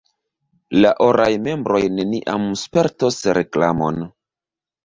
La oraj membroj neniam spertos reklamon.